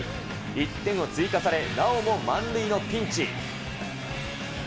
１点を追加され、なおも満塁のピンチ。